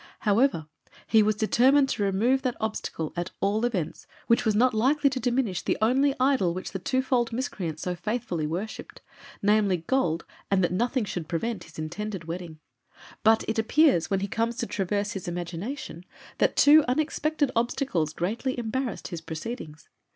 However, he was determined to remove that obstacle, at all events, which was not likely to diminish the only idol which the twofold miscreant so faithfully worshipped namely, gold and that nothing should prevent his intended wedding, but it appears, when he comes to traverse his imagination, that two unexpected obstacles greatly embarrassed his proceedings.